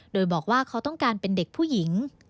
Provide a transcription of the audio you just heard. โดยบอกว่าเขาต้องการเป็นเด็กผู้หญิง